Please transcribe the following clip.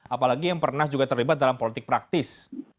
apalagi yang pernah juga terlibat dalam politik praktis